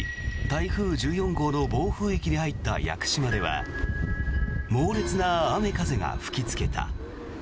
台風１４号の暴風域に入った屋久島では猛烈な雨、風が吹きつけた。